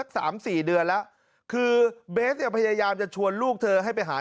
สามสี่เดือนแล้วคือเบสเนี่ยพยายามจะชวนลูกเธอให้ไปหา